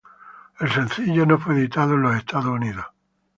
El sencillo no fue editado en Estados Unidos.